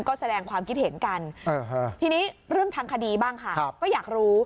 ก็แสดงความคิดเห็นกันทีนี้เรื่องทางคดีบ้างค่ะก็อยากรู้